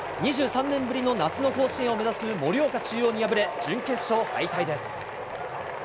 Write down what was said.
２３年ぶりの夏の甲子園を目指す盛岡中央に敗れ、準決勝敗退です。